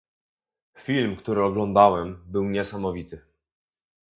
Film, który oglądałem, był niesamowity.